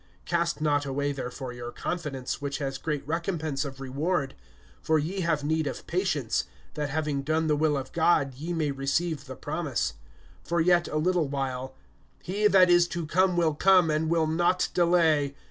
(35)Cast not away therefore your confidence, which has great recompense of reward. (36)For ye have need of patience, that having done the will of God ye may receive the promise. (37)For yet a little while, he that is to come will come, and will not delay.